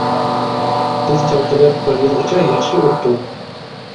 بىز توي قىلىپ بىر يىلغىچە ياخشى ئۆتتۇق.